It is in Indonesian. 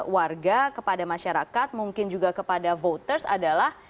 warga kepada masyarakat mungkin juga kepada voters adalah